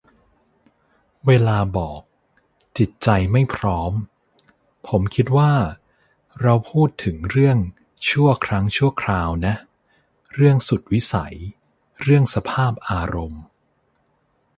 เวลาบอก "จิตใจไม่พร้อม" ผมคิดว่าเราพูดถึงเรื่องชั่วครั้งชั่วคราวนะ เรื่องสุดวิสัย เรื่องสภาพอารมณ์